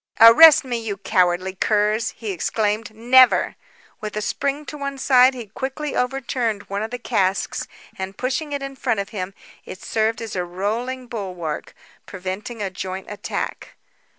"Arrest me, you cowardly curs!" he exclaimed. "Never!" With a spring to one side, he quickly overturned one of the casks and pushing it in front of him, it served as a rolling bulwark, preventing a joint attack.